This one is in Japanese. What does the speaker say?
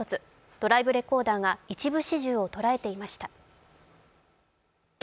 ドライブレコーダーが一部始終を捉えていました。